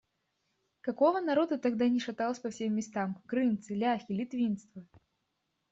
Какого народу тогда не шаталось по всем местам: крымцы, ляхи, литвинство!